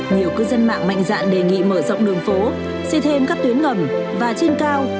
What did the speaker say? nhiều cư dân mạng mạnh dạn đề nghị mở rộng đường phố xây thêm các tuyến ngầm và trên cao